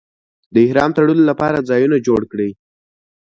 د احرام تړلو لپاره ځایونه جوړ کړي.